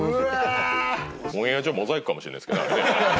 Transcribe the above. オンエア上モザイクかもしれないですけどあれね。